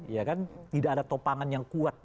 ya kan tidak ada topangan yang kuat